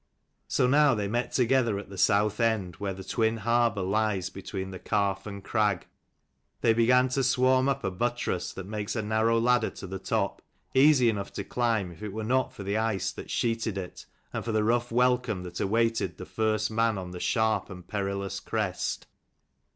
So now they met together at the south end, where the twin harbour lies between the calf and the crag. They began to swarm up a buttress that makes a narrow ladder to the top, easy enough to climb if it were not for the ice that sheeted it, and for the rough welcome that awaited the first man on the sharp and perilous crest.